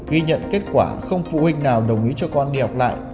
ghi nhận kết quả không phụ huynh nào đồng ý cho con đi học lại